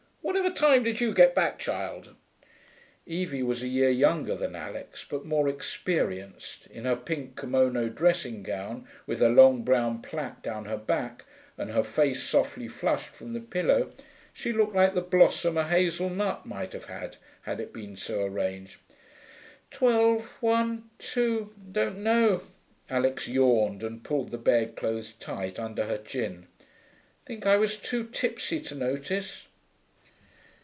Whatever time did you get back, child?' (Evie was a year younger than Alix, but more experienced. In her pink kimono dressing gown, with her long brown plait down her back, and her face softly flushed from the pillow, she looked like the blossom a hazel nut might have had, had it been so arranged.) 'Twelve one two don't know,' Alix yawned, and pulled the bedclothes tight under her chin. 'Think I was too tipsy to notice.'